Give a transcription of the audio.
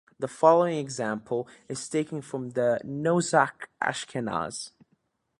The following example is taken from the Nusach Ashkenaz.